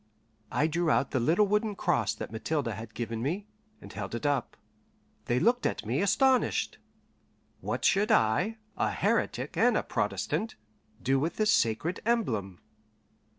I drew out the little wooden cross that Mathilde had given me, and held it up. They looked at me astonished. What should I, a heretic and a Protestant, do with this sacred emblem?